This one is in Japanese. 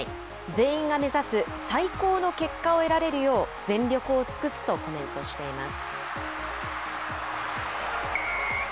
全員が目指す最高の結果を得られるよう全力を尽くすとコメントしています。